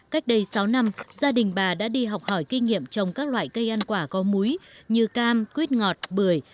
cách đây sáu năm gia đình bà đã đi học hỏi kinh nghiệm trồng các loại cây ăn quả có múi như cam quýt ngọt bưởi